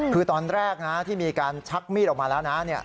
คือตอนแรกนะที่มีการชักมีดออกมาแล้วนะ